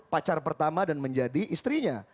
pacar pertama dan menjadi istrinya